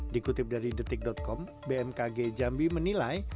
dikutip dari detik com bmkg jambi menilai